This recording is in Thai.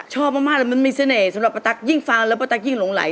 ชอบมากเลยมันมีเสน่ห์สำหรับป้าตั๊กยิ่งฟังแล้วป้าตั๊กยิ่งหลงไหล